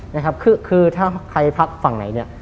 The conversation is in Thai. นะครับคือคือถ้าใครพักฝั่งไหนเนี่ย